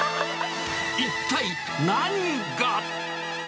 一体何が？